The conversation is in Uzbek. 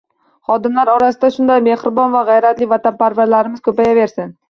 Xodimlar orasida shunday mehribon va gʻayratli vatanparvarlarimiz koʻpayaversin